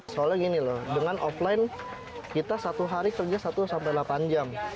soalnya gini loh dengan offline kita satu hari kerja satu sampai delapan jam